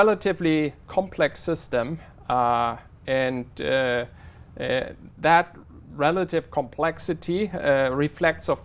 và tôi cảm thấy rất chào mừng ở việt nam